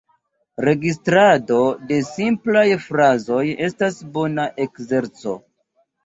Registrado de simplaj frazoj estas bona ekzerco.